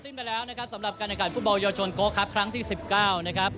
สิ้นไปแล้วกับกระหน่ากรรมผู้บริหารโยชนครับครั้งที่๑๙นะครับ